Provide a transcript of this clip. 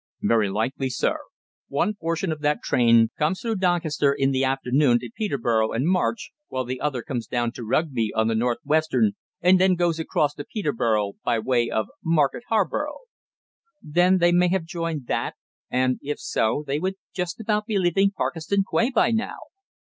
"Very likely, sir. One portion of that train comes through Doncaster in the afternoon to Peterborough and March, while the other comes down to Rugby on the North Western, and then goes across to Peterborough by way of Market Harborough." "Then they may have joined that, and if so they would just about be leaving Parkeston Quay by now!"